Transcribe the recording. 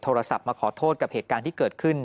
โทรศัพท์มาขอโทษกับเหตุการณ์ที่เกิดขึ้น